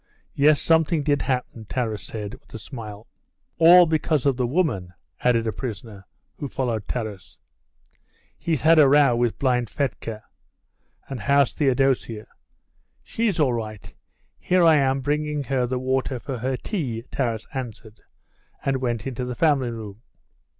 "Yes, something did happen," Taras said, with a smile. "All because of the woman," added a prisoner, who followed Taras; "he's had a row with Blind Fedka." "And how's Theodosia?" "She's all right. Here I am bringing her the water for her tea," Taras answered, and went into the family room.